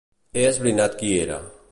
He esbrinat qui era.